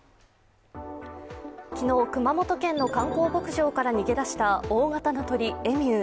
昨日、熊本県の観光牧場から逃げ出した大型の鳥、エミュー。